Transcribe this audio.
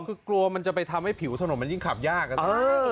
คือกลัวมันจะไปทำให้ผิวถนนมันยิ่งขับยากอะ